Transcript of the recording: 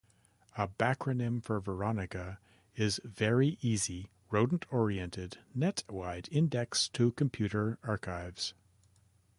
A backronym for Veronica is "Very Easy Rodent-Oriented Net-wide Index to Computer Archives".